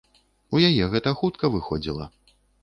У яе гэта хутка выходзіла.